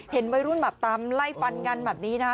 เห็นวัยรุ่นแบบตามไล่ฟันกันแบบนี้นะคะ